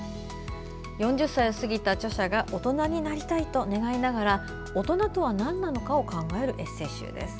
４０歳を過ぎた著者が大人になりたいと願いながら大人とは何か考えるエッセー集です。